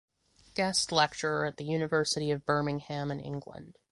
Guest lecturer at the University of Birmingham in England.